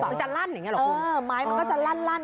ม้าจะลั่นมันก็จะลั่นรั่น